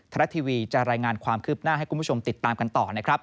รัฐทีวีจะรายงานความคืบหน้าให้คุณผู้ชมติดตามกันต่อนะครับ